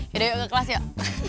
yaudah yuk ke kelas yuk